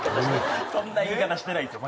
そんな言い方してないですよ